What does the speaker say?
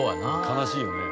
悲しいよね。